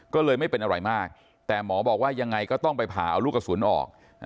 ก็เลยไม่เป็นอะไรมากแต่หมอบอกว่ายังไงก็ต้องไปผ่าเอาลูกกระสุนออก